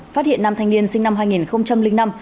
phát hiện năm thanh niên sinh năm hai nghìn năm